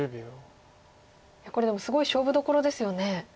いやこれでもすごい勝負どころですよね。